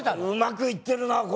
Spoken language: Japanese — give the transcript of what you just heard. うまくいってるな